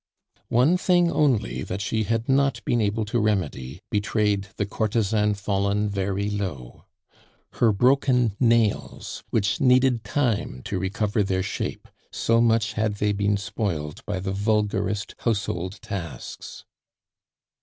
One thing only that she had not been able to remedy betrayed the courtesan fallen very low: her broken nails, which needed time to recover their shape, so much had they been spoiled by the vulgarest household tasks.